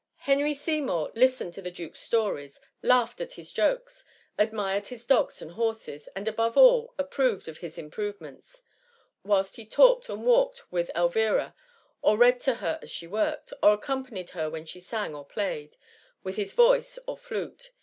Henry Seymour listened to the duke^s stories — ^laughed at his jokes — admired his dogs and horses, and above all, approved of his improvements; whilst he talked and walked with Elvira, or read to her as she worked, or accompanied her when she sang or played, with his voice or flute.